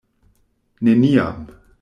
Neniam!